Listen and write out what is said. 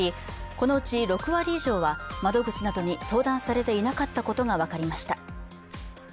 このうち６割以上は窓口などに相談されていなかったことが分かりました。